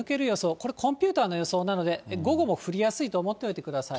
これ、コンピューターの予想なので、午後も降りやすいと思っておいてください。